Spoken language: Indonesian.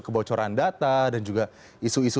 kebocoran data dan juga isu isu